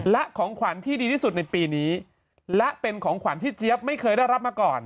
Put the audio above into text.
และของขวัญที่ดีที่สุดในปีนี้และเป็นของขวัญที่เจี๊ยบไม่เคยได้รับมาก่อน